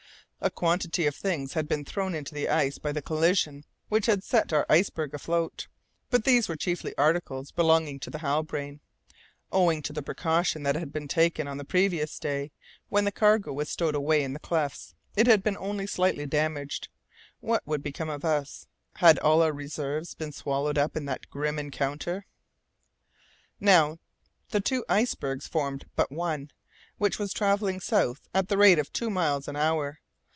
A quantity of things had been thrown into the ice by the collision which had set our iceberg afloat, but these were chiefly articles belonging to the Halbrane. Owing to the precaution that had been taken on the previous day, when the cargo was stowed away in the clefts, it had been only slightly damaged. What would have become of us, had all our reserves been swallowed up in that grim encounter? Now, the two icebergs formed but one, which was travelling south at the rate of two miles an hour.